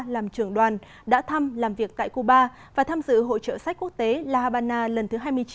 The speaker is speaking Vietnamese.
làm trưởng đoàn đã thăm làm việc tại cuba và tham dự hội trợ sách quốc tế la habana lần thứ hai mươi chín